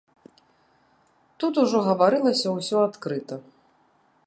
Тут ужо гаварылася ўсё адкрыта.